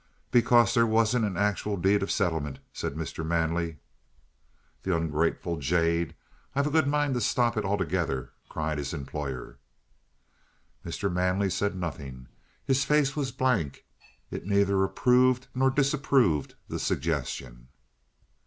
"Because there wasn't an actual deed of settlement," said Mr. Manley. "The ungrateful jade! I've a good mind to stop it altogether!" cried his employer. Mr. Manley said nothing. His face was blank; it neither approved nor disapproved the suggestion.